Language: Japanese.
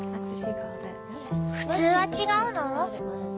普通は違うの？